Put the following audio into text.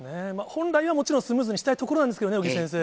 本来はもちろん、スムーズにしたいところなんですけれどもね、尾木先生。